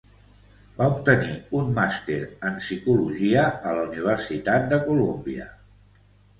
Va obtenir un màster en Psicologia a la Universitat de Columbia.